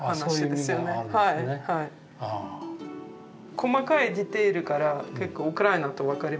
細かいディテールから結構ウクライナと分かりますよ。